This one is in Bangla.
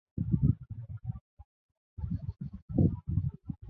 আলী ইংল্যান্ডের বয়সভিত্তিক বেশ কয়েকটি দলের হয়ে খেলেছেন।